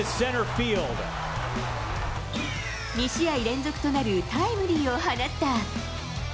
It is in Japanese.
２試合連続となるタイムリーを放った。